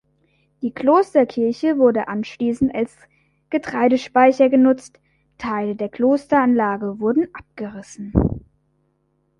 Die Klosterkirche wurde anschließend als Getreidespeicher genutzt, Teile der Klosteranlage wurden abgerissen.